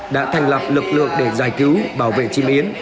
đã thành lập lực lượng để giải cứu bảo vệ chim yến